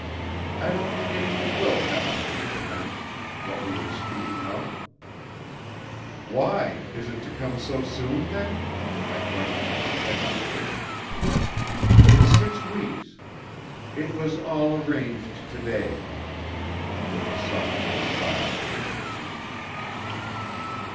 I don't think anything will happen to prevent what we were speaking of." "Why, is it to come so soon, then?" I questioned, impetuously. "In six weeks. It was all arranged to day" with a soft little sigh at the end of her sentence.